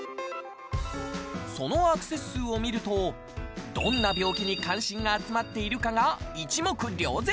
そのアクセス数を見るとどんな病気に関心が集まっているかが一目瞭然！